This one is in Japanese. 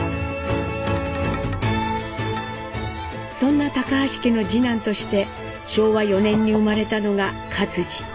そんな橋家の次男として昭和４年に生まれたのが克爾。